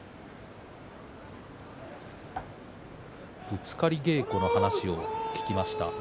ぶつかり稽古の話を聞きました。